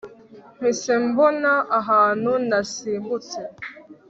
mpise mbona ahantu nasimbutse